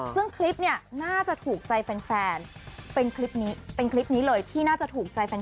ซึ่งคลิปเนี่ยน่าจะถูกใจแฟนเป็นคลิปนี้เป็นคลิปนี้เลยที่น่าจะถูกใจแฟน